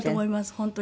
本当に。